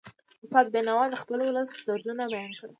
استاد بینوا د خپل ولس دردونه بیان کړل.